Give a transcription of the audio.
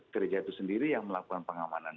gereja itu sendiri yang melakukan pengamanan